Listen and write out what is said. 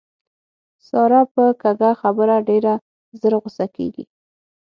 ساره په کږه خبره ډېره زر غوسه کېږي.